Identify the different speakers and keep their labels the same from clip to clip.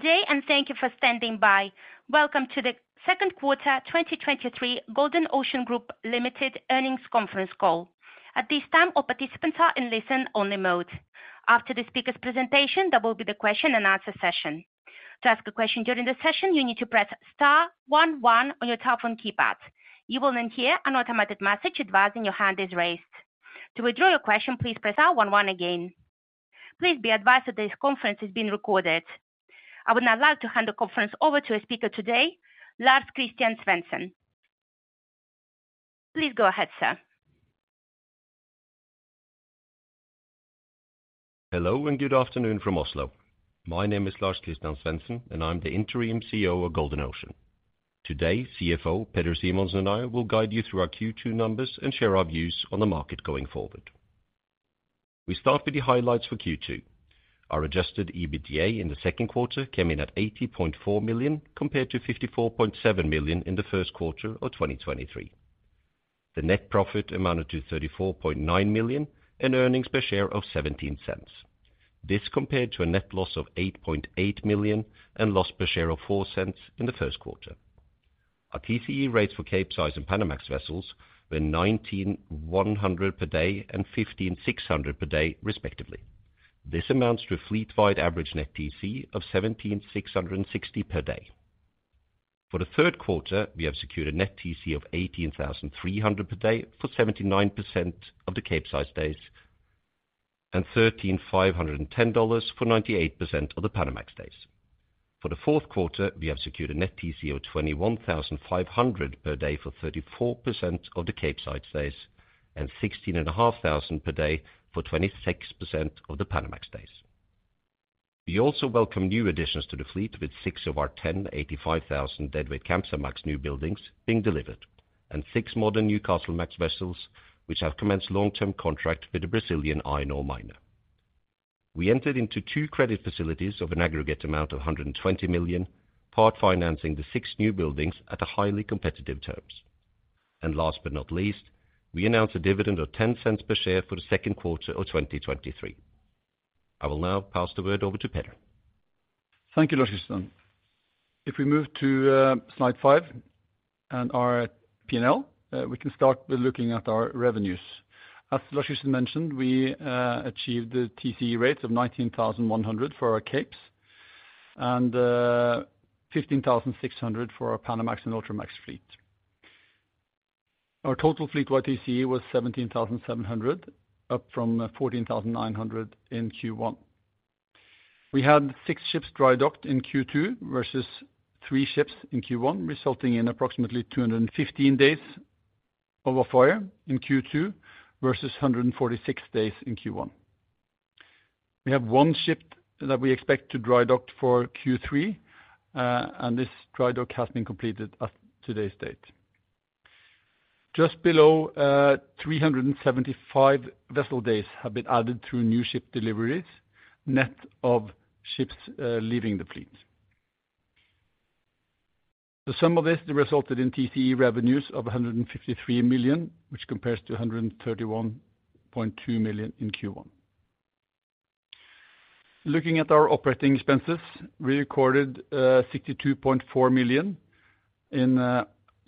Speaker 1: today and thank you for standing by. Welcome to the second quarter 2023 Golden Ocean Group Limited Earnings Conference Call. At this time, all participants are in listen-only mode. After the speaker's presentation, there will be the question and answer session. To ask a question during the session, you need to press star one one on your telephone keypad. You will then hear an automated message advising your hand is raised. To withdraw your question, please press star one one again. Please be advised that this conference is being recorded. I would now like to hand the conference over to a speaker today, Lars-Christian Svensen. Please go ahead, sir.
Speaker 2: hello and good afternoon from Oslo. My name is Lars-Christian svensen and I'm the Interim CEO of Golden Ocean. Today, CFO Peder Simonsen and I will guide you through our Q2 numbers and share our views on the market going forward. We start with the highlights for Q2. Our adjusted EBITDA in the second quarter came in at $80.4 million, compared to $54.7 million in the first quarter of 2023. The net profit amounted to $34.9 million and earnings per share of $0.17. This compared to a net loss of $8.8 million and loss per share of $0.04 in the first quarter. Our TCE rates for Capesize and Panamax vessels were $19,100 per day and $15,600 per day, respectively. This amounts to a fleet-wide average net TC of $17,660 per day. For the third quarter, we have secured a net TC of $18,300 per day for 79% of the Capesize days and $13,510 for 98% of the Panamax days. For the fourth quarter, we have secured a net TC of $21,500 per day for 34% of the Capesize days and $16,500 per day for 26% of the Panamax days. We also welcome new additions to the fleet, with six of our 10 85,000 deadweight Kamsarmax newbuildings being delivered and six modern Newcastlemax vessels, which have commenced long-term contract with the Brazilian iron ore miner. We entered into two credit facilities of an aggregate amount of $120 million, part financing the six newbuildings at a highly competitive terms. And last but not least, we announced a dividend of $0.10 per share for the second quarter of 2023. I will now pass the word over to Peder.
Speaker 3: Thank you, Lars-Christian. If we move to slide five and our P&L, we can start with looking at our revenues. As Lars-Christian mentioned, we achieved the TCE rates of $19,100 for our Capes and $15,600 for our Panamax and Ultramax fleet. Our total fleet-wide TCE was $17,700, up from $14,900 in Q1. We had 6 ships dry docked in Q2 versus 3 ships in Q1, resulting in approximately 215 days of off-hire in Q2 versus 146 days in Q1. We have 1 ship that we expect to dry dock for q3 and this dry dock has been completed as today's date. Just below, 375 vessel days have been added through new ship deliveries, net of ships leaving the fleet. The sum of this, they resulted in TCE revenues of $153 million, which compares to $131.2 million in Q1. Looking at our operating expenses, we recorded $62.4 million in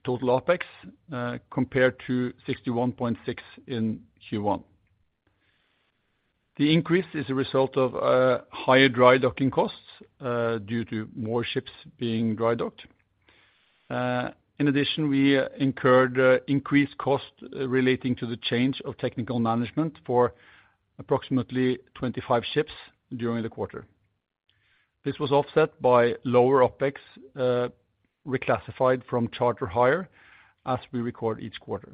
Speaker 3: total OpEx, compared to $61.6 million in Q1. The increase is a result of higher dry docking costs due to more ships being dry docked. In addition, we incurred increased costs relating to the change of technical management for approximately 25 ships during the quarter. This was offset by lower OpEx reclassified from charter hire, as we record each quarter.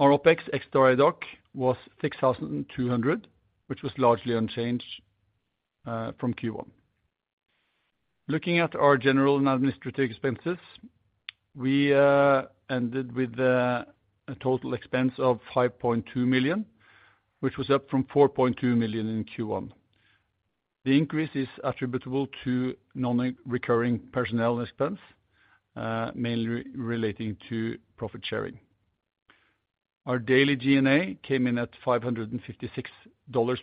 Speaker 3: Our OpEx ex-drydock was $6,200, which was largely unchanged from Q1. Looking at our general and administrative expenses, we ended with a total expense of $5.2 million, which was up from $4.2 million in Q1. The increase is attributable to non-recurring personnel expense mainly relating to profit sharing. Our daily G&A came in at $556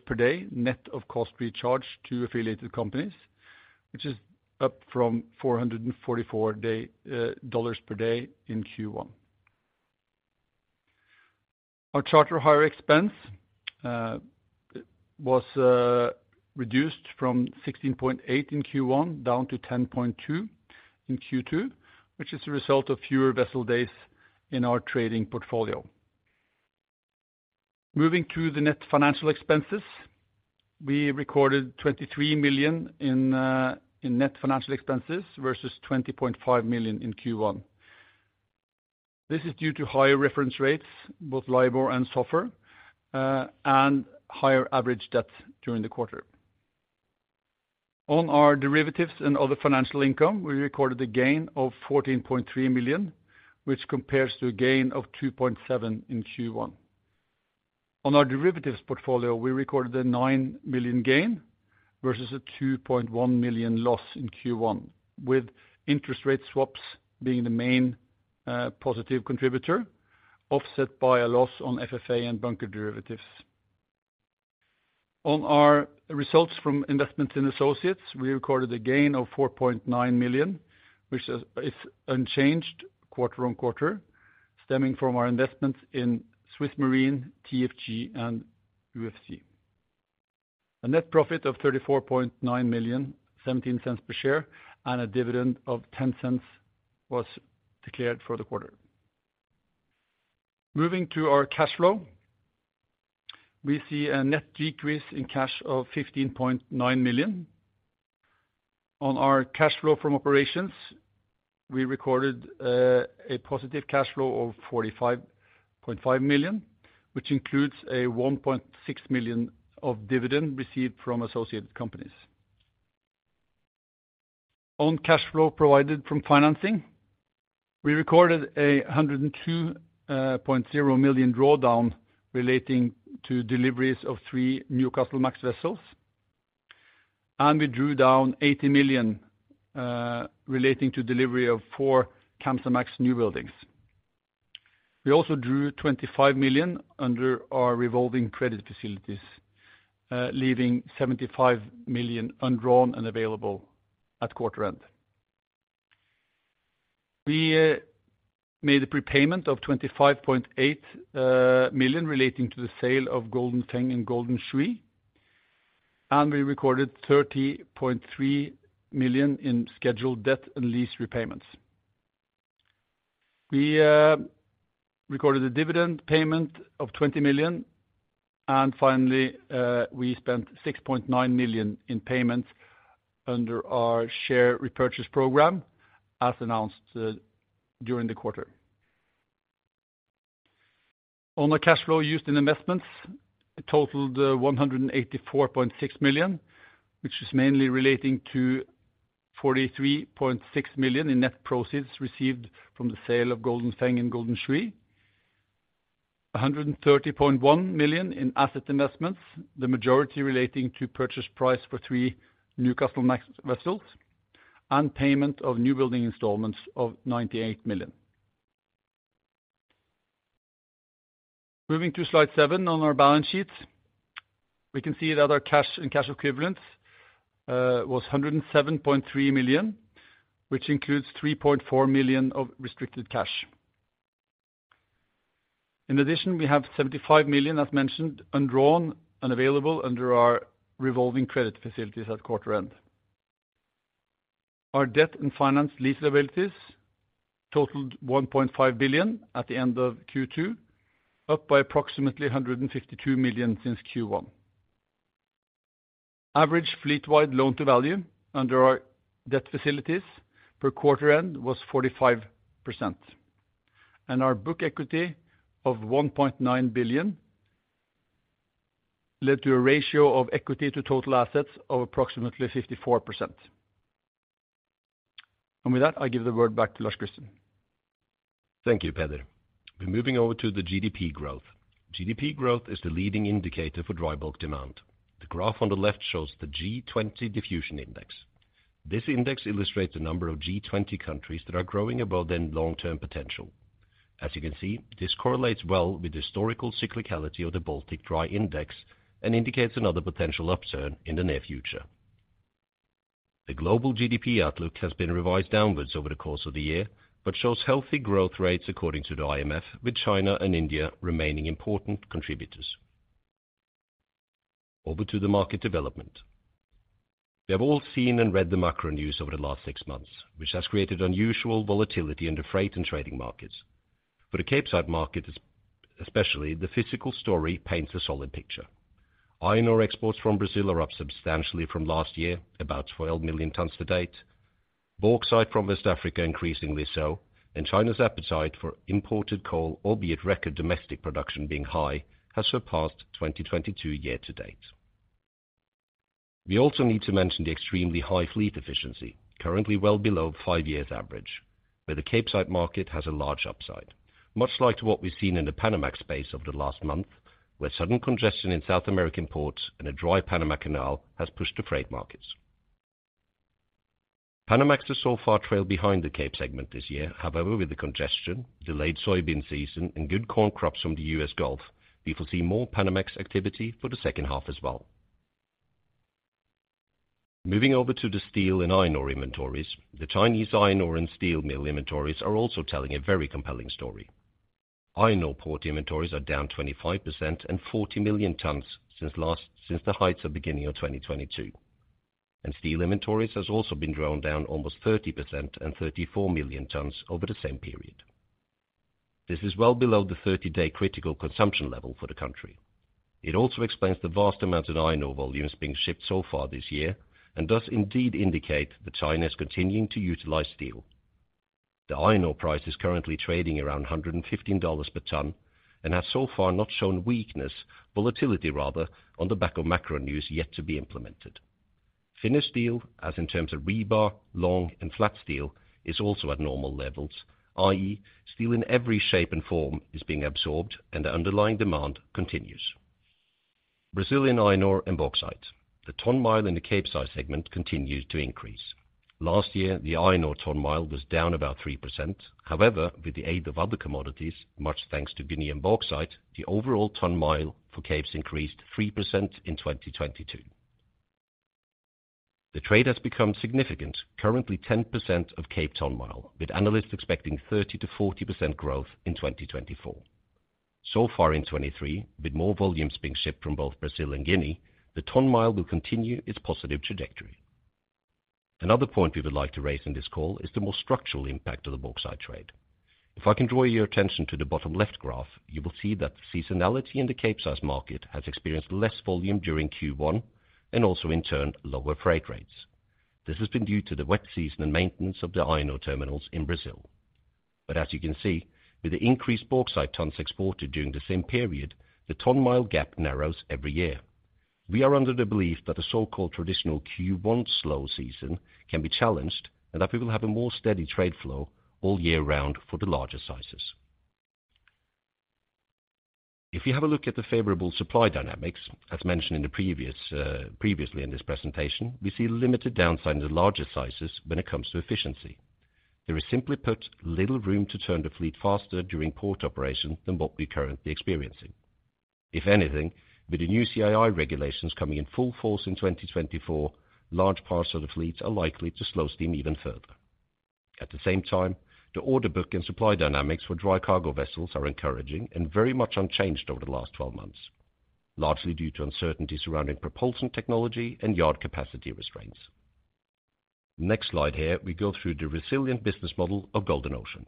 Speaker 3: per day, net of cost recharged to affiliated companies, which is up from $444 per day in Q1. Our charter hire expense was reduced from $16.8 million in Q1, down to $10.2 million in Q2, which is a result of fewer vessel days in our trading portfolio. Moving to the net financial expenses, we recorded $23 million in net financial expenses versus $20.5 million in Q1. This is due to higher reference rates, both LIBOR and sofr and higher average debt during the quarter. On our derivatives and other financial income, we recorded a gain of $14.3 million, which compares to a gain of $2.7 million in Q1. On our derivatives portfolio, we recorded a $9 million gain versus a $2.1 million loss in Q1, with interest rate swaps being the main positive contributor offset by a loss on FFA and bunker derivatives. On our results from investments in associates, we recorded a gain of $4.9 million, which is unchanged quarter on quarter, stemming from our investments in SwissMarine, TFG and UFC. A net profit of $34.9 million, $0.17 per share and a dividend of $0.10 was declared for the quarter. Moving to our cash flow, we see a net decrease in cash of $15.9 million. On our cash flow from operations, we recorded a positive cash flow of $45.5 million, which includes $1.6 million of dividend received from associated companies. On cash flow provided from financing, we recorded $102.0 million drawdown relating to deliveries of three new Newcastlemax vessels and we drew down $80 million relating to delivery of four Kamsarmax newbuildings. We also drew $25 million under our revolving credit facilities, leaving $75 million undrawn and available at quarter end. We made a prepayment of $25.8 million relating to the sale of Golden Feng and Golden shui and we recorded $30.3 million in scheduled debt and lease repayments. We recorded a dividend payment of $20 million and finally, we spent $6.9 million in payments under our share repurchase program, as announced during the quarter. On the cash flow used in investments, it totaled $184.6 million, which is mainly relating to $43.6 million in net proceeds received from the sale of Golden Feng and Golden Shui. $130.1 million in asset investments, the majority relating to purchase price for 3 new Newcastlemax vessels and payment of newbuilding installments of $98 million. Moving to Slide seven. On our balance sheet, we can see that our cash and cash equivalents was $107.3 million, which includes $3.4 million of restricted cash. In addition, we have $75 million, as mentioned, undrawn and available under our revolving credit facilities at quarter end. Our debt and finance lease liabilities totaled $1.5 billion at the end of Q2, up by approximately $152 million since Q1. Average fleet-wide loan to value under our debt facilities per quarter end was 45% and our book equity of $1.9 billion led to a ratio of equity to total assets of approximately 54%. With that, I give the word back to Lars-Christian.
Speaker 2: Thank you, Peder. We're moving over to the GDP growth. GDP growth is the leading indicator for dry bulk demand. The graph on the left shows the G20 Diffusion Index. This index illustrates the number of G20 countries that are growing above their long-term potential. As you can see, this correlates well with the historical cyclicality of the Baltic Dry Index and indicates another potential upturn in the near future. The global GDP outlook has been revised downwards over the course of the year, but shows healthy growth rates according to the IMF, with China and India remaining important contributors. Over to the market development. We have all seen and read the macro news over the last six months, which has created unusual volatility in the freight and trading markets. For the Capesize market, especially, the physical story paints a solid picture. Iron ore exports from Brazil are up substantially from last year, about 12 million tons to date. Bauxite from West Africa, increasingly so and China's appetite for imported coal, albeit record domestic production being high, has surpassed 2022 year to date. We also need to mention the extremely high fleet efficiency, currently well below 5-year average, where the Capesize market has a large upside. Much like to what we've seen in the Panamax space over the last month, where sudden congestion in South American ports and a dry Panama Canal has pushed the freight markets. Panamax has so far trailed behind the Cape segment this year. However, with the congestion, delayed soybean season and good corn crops from the U.S. Gulf, we will see more Panamax activity for the second half as well. Moving over to the steel and iron ore inventories, the Chinese iron ore and steel mill inventories are also telling a very compelling story. Iron ore port inventories are down 25% and 40 million tons since the heights of beginning of 2022 and steel inventories has also been drawn down almost 30% and 34 million tons over the same period. This is well below the 30-day critical consumption level for the country. It also explains the vast amounts of iron ore volumes being shipped so far this year and does indeed indicate that China is continuing to utilize steel. The iron ore price is currently trading around $115 per ton and has so far not shown weakness, volatility rather, on the back of macro news yet to be implemented. Finished steel, as in terms of rebar, long and flat steel, is also at normal levels, i.e., steel in every shape and form is being absorbed and the underlying demand continues. Brazilian iron ore and bauxite. The ton mile in the Capesize segment continued to increase. Last year, the iron ore ton mile was down about 3%. However, with the aid of other commodities, much thanks to Guinea and bauxite, the overall ton mile for Capes increased 3% in 2022. The trade has become significant. Currently, 10% of Cape ton mile, with analysts expecting 30%-40% growth in 2024. So far in 2023, with more volumes being shipped from both Brazil and Guinea, the ton mile will continue its positive trajectory. Another point we would like to raise in this call is the more structural impact of the bauxite trade. If I can draw your attention to the bottom left graph, you will see that the seasonality in the Capesize market has experienced less volume during Q1 and also, in turn, lower freight rates. This has been due to the wet season and maintenance of the iron ore terminals in Brazil. But as you can see, with the increased bauxite tons exported during the same period, the ton mile gap narrows every year. We are under the belief that the so-called traditional Q1 slow season can be challenged and that we will have a more steady trade flow all year round for the larger sizes. If you have a look at the favorable supply dynamics, as mentioned in the previous, previously in this presentation, we see limited downside in the larger sizes when it comes to efficiency. There is, simply put, little room to turn the fleet faster during port operation than what we're currently experiencing. If anything, with the new CII regulations coming in full force in 2024, large parts of the fleets are likely to slow steam even further. At the same time, the order book and supply dynamics for dry cargo vessels are encouraging and very much unchanged over the last 12 months, largely due to uncertainty surrounding propulsion technology and yard capacity restraints. Next slide here, we go through the resilient business model of Golden Ocean.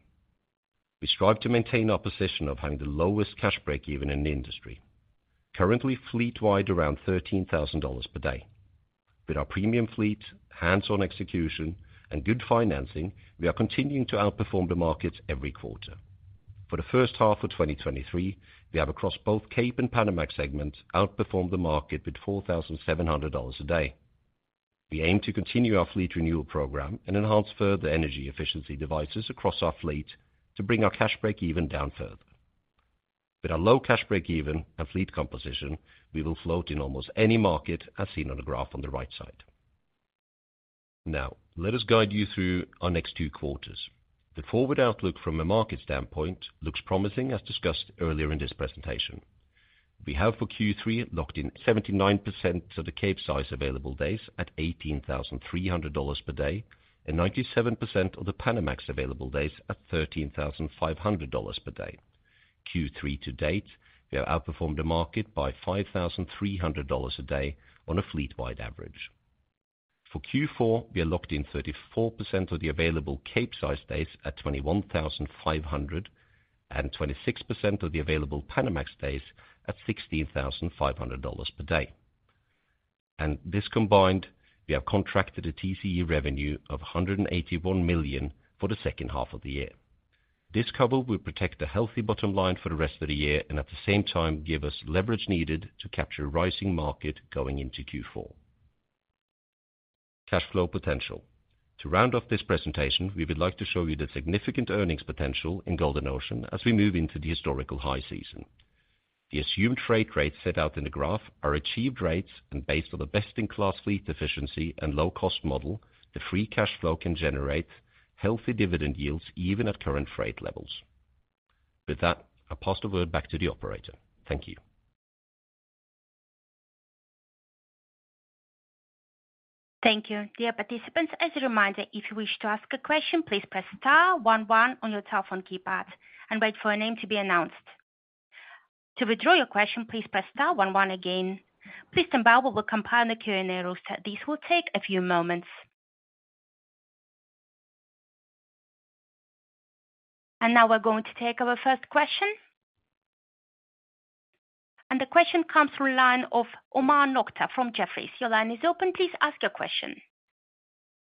Speaker 2: We strive to maintain our position of having the lowest cash break-even in the industry. Currently, fleet-wide, around $13,000 per day. With our premium fleet, hands-on execution and good financing, we are continuing to outperform the market every quarter. For the first half of 2023, we have, across both Capesize and Panamax segments, outperformed the market with $4,700 a day. We aim to continue our fleet renewal program and enhance further energy efficiency devices across our fleet to bring our cash break-even down further. With our low cash break-even and fleet composition, we will float in almost any market, as seen on the graph on the right side. Now, let us guide you through our next two quarters. The forward outlook from a market standpoint looks promising, as discussed earlier in this presentation. We have, for Q3, locked in 79% of the Capesize available days at $18,300 per day and 97% of the Panamax available days at $13,500 per day. Q3 to date, we have outperformed the market by $5,300 a day on a fleet-wide average. For Q4, we are locked in 34% of the available Capesize days at $21,500 and 26% of the available Panamax days at $16,500 per day. And this combined, we have contracted a TCE revenue of $181 million for the second half of the year. This cover will protect a healthy bottom line for the rest of the year and, at the same time, give us leverage needed to capture a rising market going into Q4. Cash flow potential. To round off this presentation, we would like to show you the significant earnings potential in Golden Ocean as we move into the historical high season. The assumed freight rates set out in the graph are achieved rates and based on the best-in-class fleet efficiency and low-cost model, the free cash flow can generate healthy dividend yields, even at current freight levels. With that, I pass the word back to the operator. Thank you.
Speaker 1: Thank you. Dear participants, as a reminder, if you wish to ask a question, please press star one one on your telephone keypad and wait for your name to be announced. To withdraw your question, please press star one one again. Please stand by, we will compile the Q&A ruleset. This will take a few moments. Now we're going to take our first question. The question comes through the line of Omar Nokta from Jefferies. Your line is open. Please ask your question.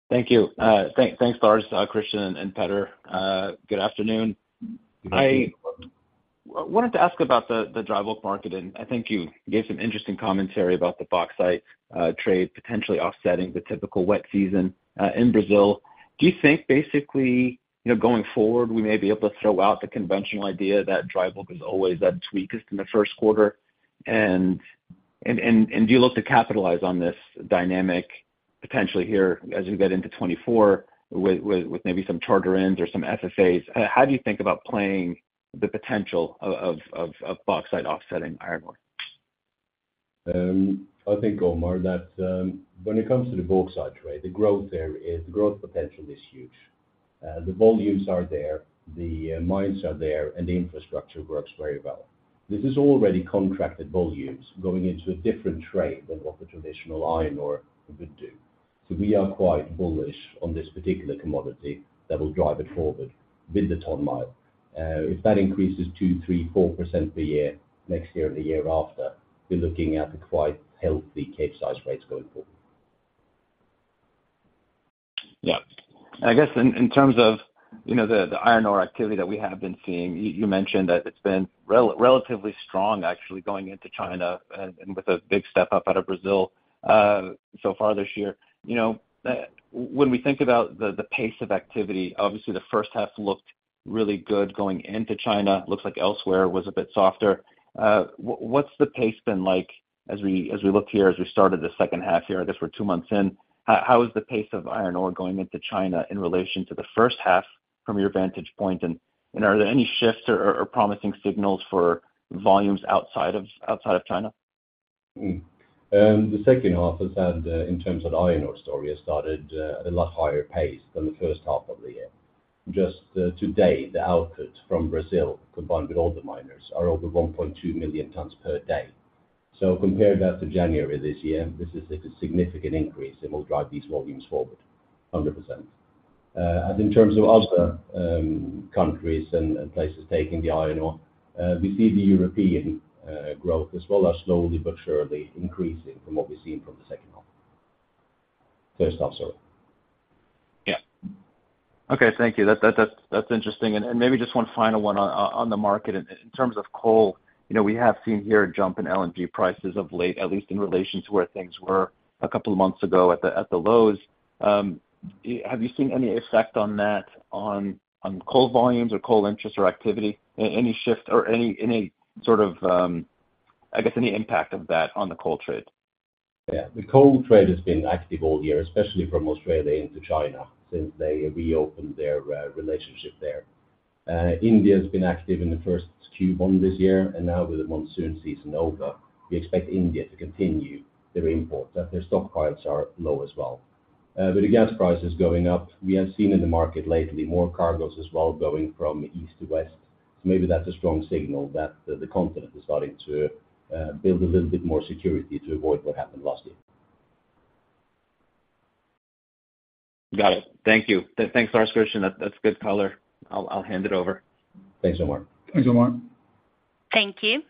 Speaker 4: Thank you. Thanks, lars-christian and Peder. Good afternoon. I wanted to ask about the dry bulk market and I think you gave some interesting commentary about the bauxite trade, potentially offsetting the typical wet season in Brazil. Do you think basically, you know, going forward, we may be able to throw out the conventional idea that dry bulk is always at its weakest in the first quarter? And do you look to capitalize on this dynamic potentially here as we get into 2024 with maybe some charter ends or some FFAs? How do you think about playing the potential of bauxite offsetting iron ore?
Speaker 2: I think, Omar, that when it comes to the bauxite trade, the growth there is the growth potential is huge. The volumes are there, the mines are there and the infrastructure works very well. This is already contracted volumes going into a different trade than what the traditional iron ore would do. So we are quite bullish on this particular commodity that will drive it forward with the ton mile. If that increases 2, 3, 4% per year, next year or the year after, we're looking at quite healthy Capesize rates going forward.
Speaker 4: In terms of, you know, the iron ore activity that we have been seeing, you mentioned that it's been relatively strong, actually, going into China and with a big step up out of Brazil so far this year. You know, when we think about the pace of activity, obviously, the first half looked really good going into China. Looks like elsewhere was a bit softer. What's the pace been like as we look here as we started the second half here? I guess we're two months in. How is the pace of iron ore going into China in relation to the first half from your vantage point? And are there any shifts or promising signals for volumes outside of China?
Speaker 2: The second half has had, in terms of the iron ore story, has started a lot higher pace than the first half of the year. Just today, the output from Brazil, combined with all the miners, are over 1.2 million tons per day. So compared that to January this year, this is a significant increase that will drive these volumes forward, 100%. And in terms of other countries and places taking the iron ore, we see the European growth as well as slowly but surely increasing from what we've seen from the second half. First half, sorry.
Speaker 4: Thank you. That's interesting. And maybe just one final one on the market. In terms of coal, you know, we have seen here a jump in LNG prices of late, at least in relation to where things were a couple of months ago at the lows. Have you seen any effect on that on coal volumes or coal interest or activity? Any shift or any any impact of that on the coal trade?
Speaker 2: The coal trade has been active all year, especially from Australia into China, since they reopened their relationship there. India has been active in the first Q1 this year and now with the monsoon season over, we expect India to continue their import, that their stock prices are low as well. With the gas prices going up, we have seen in the market lately more cargos as well, going from east to west. Maybe that's a strong signal that the continent is starting to build a little bit more security to avoid what happened last year.
Speaker 4: Got it. Thank you. Thanks, Lars-Christian. That's good color. I'll hand it over.
Speaker 2: Thanks so much.
Speaker 4: Thanks so much.
Speaker 1: Thank you.